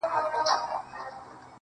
خير دی، زه داسي یم، چي داسي نه وم~